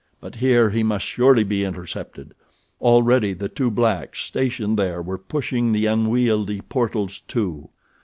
But here he must surely be intercepted. Already the two blacks stationed there were pushing the unwieldy portals to.